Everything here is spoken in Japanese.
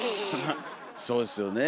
そうですよね